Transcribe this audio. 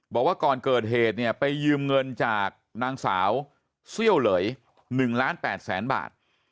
บอกว่าก่อนเกิดเหตุเนี่ยไปยืมเงินจากนางสาวเซี่ยวเหลย๑ล้าน๘แสนบาท